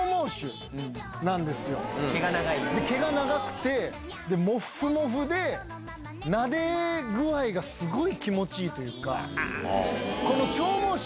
毛が長くてもっふもふでなで具合がすごい気持ちいいというか。